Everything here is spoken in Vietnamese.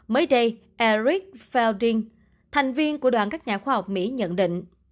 mới đây eric felding thành viên của đoàn các nhà khoa học mỹ nhận định